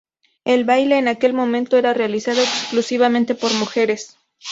El baile, en aquel momento, era realizado exclusivamente por mujeres.